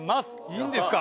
いいんですか？